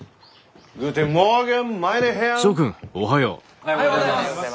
おはようございます！